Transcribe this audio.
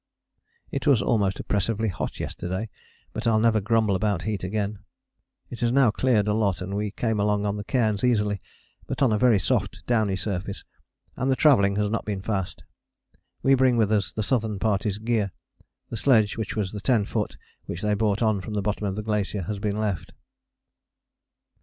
It was almost oppressively hot yesterday but I'll never grumble about heat again. It has now cleared a lot and we came along on the cairns easily but on a very soft downy surface, and the travelling has not been fast. We bring with us the Southern Party's gear. The sledge, which was the 10 foot which they brought on from the bottom of the glacier, has been left.